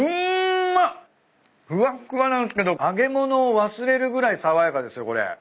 ふわっふわなんすけど揚げ物を忘れるぐらい爽やかですよこれ。